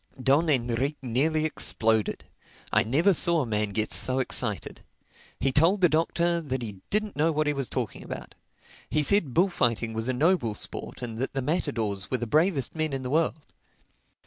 Don Enrique nearly exploded. I never saw a man get so excited. He told the Doctor that he didn't know what he was talking about. He said bullfighting was a noble sport and that the matadors were the bravest men in the world.